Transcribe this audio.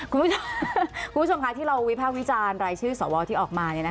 คุณผู้ชมค่ะที่เราวิภาควิจารณ์รายชื่อสวที่ออกมานี่นะคะ